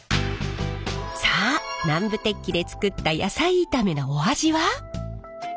さあ南部鉄器で作った野菜炒めのお味は？